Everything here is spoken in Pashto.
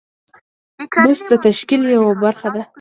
بست د تشکیل یوه برخه ده.